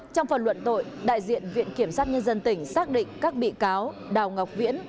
trong phần luận tội đại diện viện kiểm sát nhân dân tỉnh xác định các bị cáo đào ngọc viễn